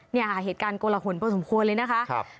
นี่อ่ะเหตุการณ์กลหละหลผลพอสมควรเลยนะคะครับ